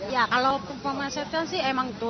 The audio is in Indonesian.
ya kalau pemasukan sih emang gitu